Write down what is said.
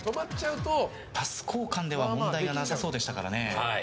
パス交換では問題がなさそうでしたからね。